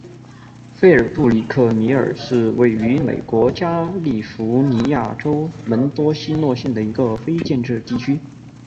菲尔布里克米尔是位于美国加利福尼亚州门多西诺县的一个非建制地区。